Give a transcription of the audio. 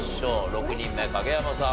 ６人目影山さん